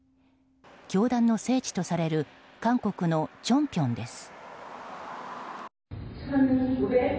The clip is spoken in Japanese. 教団の聖地とされる韓国のチョンピョンです。